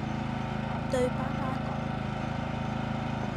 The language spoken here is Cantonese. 對爸爸講